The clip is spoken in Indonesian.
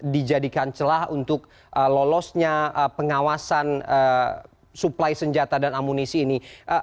dijadikan celah untuk lolosnya pengawasan suplai senjata dan amunisi ini